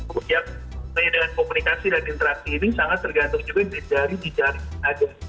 yang berkaitan dengan komunikasi dan interaksi ini sangat tergantung juga dari jari jari saja